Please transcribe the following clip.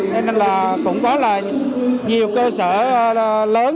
nên cũng có nhiều cơ sở lớn